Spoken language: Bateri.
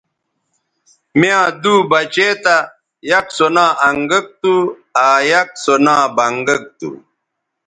می یاں دُو بچے تھا یک سو نا انگک تھو آ یک سو نا بنگک تھو